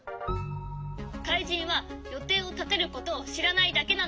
「かいじんはよていをたてることをしらないだけなの」。